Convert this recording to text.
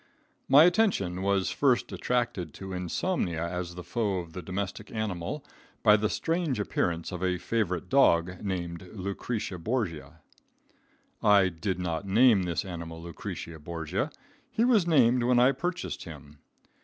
My attention was first attracted to insomnia as the foe of the domestic animal, by the strange appearance of a favorite dog named Lucretia Borgia. I did not name this animal Lucretia Borgia. He was named when I purchased him.